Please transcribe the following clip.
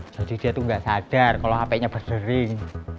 jadi dia tuh gak sadar kalo hpnya berdering